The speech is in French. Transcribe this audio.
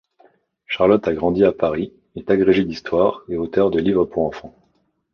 Charlotte a grandi à Paris, est agrégée d'histoire, et auteur de livres pour enfants.